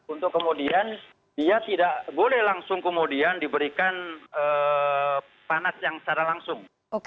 untuk kemudian dia tidak boleh langsung kemudian diberikan panas yang secara langsung